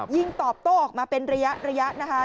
ยิงตอบโต้ออกมาเป็นระยะระยะนะคะ